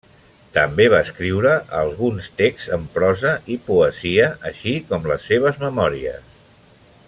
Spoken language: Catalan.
També va escriure alguns texts en prosa i poesia així com les seves memòries.